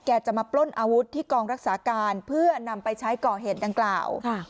จะมาปล้นอาวุธที่กองรักษาการเพื่อนำไปใช้ก่อเหตุดังกล่าว